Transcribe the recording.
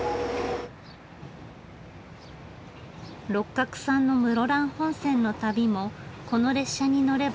六角さんの室蘭本線の旅もこの列車に乗ればゴール。